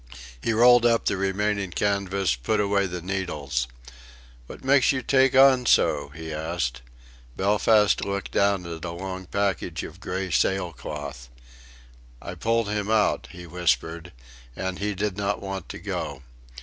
He rolled up the remaining canvas, put away the needles. "What makes you take on so?" he asked. Belfast looked down at the long package of grey sailcloth. "I pulled him out," he whispered, "and he did not want to go.